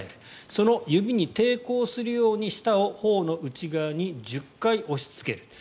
その指に抵抗するように舌を頬の内側に１０回押しつける。